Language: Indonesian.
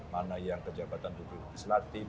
mana yang kejabatan tutup selatih